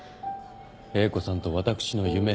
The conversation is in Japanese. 英子さんと私の夢。